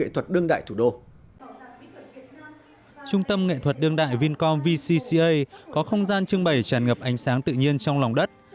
trung tâm nghệ thuật đương đại vincom vcca có không gian trưng bày tràn ngập ánh sáng tự nhiên trong lòng đất